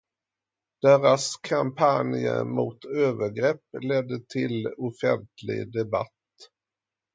Deras kampanj mot övergrepp ledde till offentlig debatt.